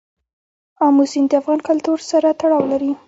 آمو سیند د افغان کلتور سره تړاو لري.